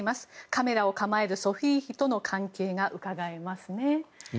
カメラを構えるソフィー妃との関係がうかがえますね。